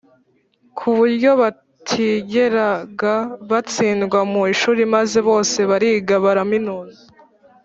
ku buryo batigeraga batsindwa mu ishuri maze bose bariga baraminuza.